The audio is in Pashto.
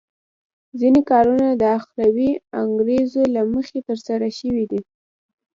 ځینې کارونه د اخروي انګېزو له مخې ترسره شوي دي.